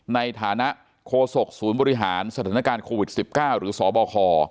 ในฐานะโคศกศูนย์บริหารสถานการณ์โควิด๑๙หรือสบค